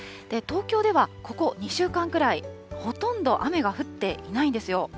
東京ではここ２週間くらい、ほとんど雨が降っていないんですよ。